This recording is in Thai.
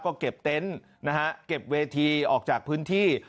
ก็เก็บเต็นต์นะฮะเก็บเวทีออกจากพื้นที่